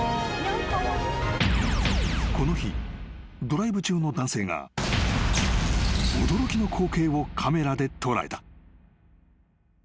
［この日ドライブ中の男性が驚きの光景をカメラで捉えた］